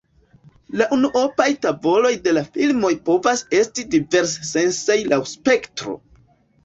La unuopaj tavoloj de la filmoj povas esti divers-sensaj laŭ spektro.